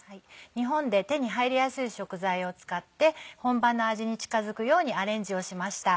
日本で手に入りやすい食材を使って本場の味に近づくようにアレンジをしました。